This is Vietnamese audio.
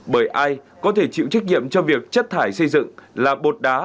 bởi ai có thể chịu trách nhiệm cho việc chất thải xây dựng là bột đá